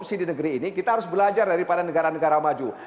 dan di perjalanan kembali ke hari ini kita harus belajar daripada negara negara maju